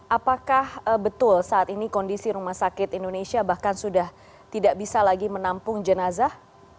apakah betul saat ini kondisi rumah sakit indonesia bahkan sudah tidak bisa lagi menampung jenazah